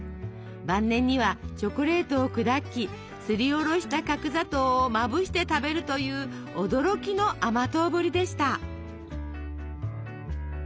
晩年にはチョコレートを砕きすりおろした角砂糖をまぶして食べるという驚きの甘党ぶりでした。